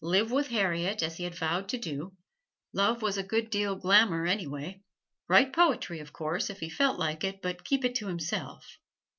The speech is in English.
Live with Harriet as he had vowed to do love was a good deal glamour, anyway; write poetry, of course, if he felt like it, but keep it to himself.